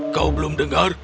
kau belum dengar